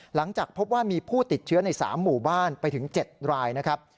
หลังจากพบว่ามีผู้ติดเชื้อใน๓หมู่บ้านไปถึง๗รายนะครับ